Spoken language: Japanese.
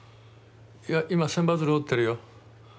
いや今千羽鶴折ってるよ。